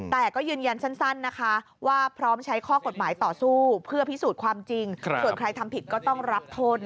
แต่ก็ยืนยันสั้นนะคะว่า